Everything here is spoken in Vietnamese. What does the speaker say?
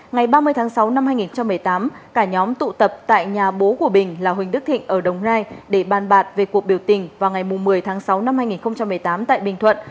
ngày ba mươi tháng sáu năm hai nghìn một mươi tám cả nhóm tụ tập tại nhà bố của bình là huỳnh đức thịnh ở đồng nai để bàn bạc về cuộc biểu tình vào ngày một mươi tháng sáu năm hai nghìn một mươi tám tại bình thuận